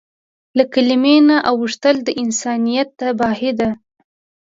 له کلیمې نه اوښتل د انسانیت تباهي ده.